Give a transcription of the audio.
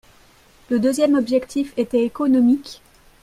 Le deuxième objectif était économique.